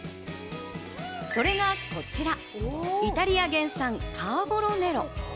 それがこちらイタリア原産カーボロネロ。